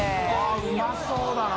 △うまそうだな